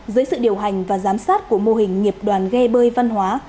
dưới sự điều hành và giám sát của mô hình nghiệp đoàn ghe bơi văn hóa